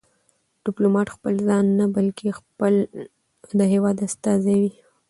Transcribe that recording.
ډيپلومات خپل ځان نه، بلکې خپل د هېواد استازی وي.